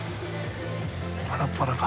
パラパラか。